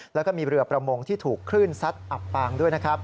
แล้วก็มีเรือประมงที่ถูกคลื่นซัดอับปางด้วยนะครับ